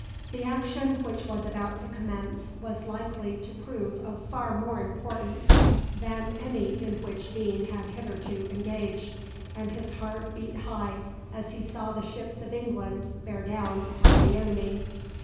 The action which was about to commence was likely to prove of far more importance than any in which Deane had hitherto engaged, and his heart beat high as he saw the ships of England bear down upon the enemy.